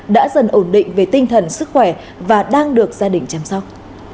đang ổn định về tinh thần sức khỏe và đang được gia đình chăm sóc